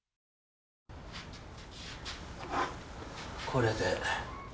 これで。